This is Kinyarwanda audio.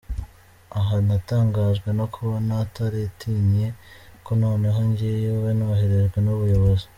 Aha natangajwe no kubona ataratinye ko noneho ngiye iwe noherejwe n’umuyobozi.